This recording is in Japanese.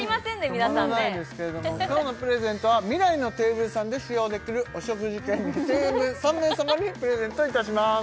皆さん止まらないですけれども今日のプレゼントはみらいのテーブルさんで使用できるお食事券２０００円分３名様にプレゼントいたします